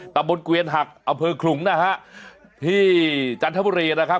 ตะบนเกวียนหักอำเภอขลุงนะฮะที่จันทบุรีนะครับ